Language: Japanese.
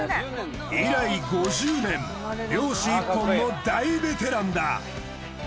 以来５０年漁師一本の大ベテランだ。